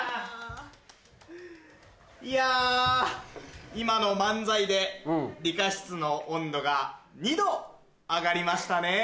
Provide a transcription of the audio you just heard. いや今の漫才で理科室の温度が２℃上がりましたね。